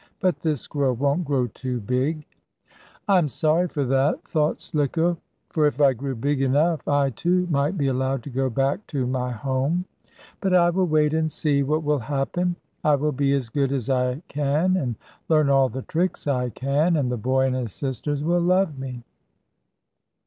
But this squirrel won't grow too big." "I'm sorry for that," thought Slicko. "For if I grew big enough I, too, might be allowed to go back to my home. But I will wait and see what will happen. I will be as good as I can, and learn all the tricks I can, and the boy and his sisters will love me."